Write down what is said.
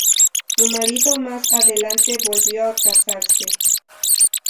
Su marido más adelante volvió a casarse.